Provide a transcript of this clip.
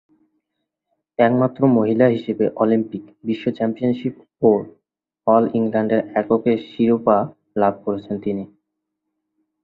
একমাত্র মহিলা হিসেবে অলিম্পিক, বিশ্ব চ্যাম্পিয়নশিপ ও অল-ইংল্যান্ডের এককের শিরোপা লাভ করেছেন তিনি।